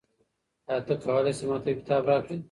آیا ته کولای شې ما ته یو کتاب راکړې؟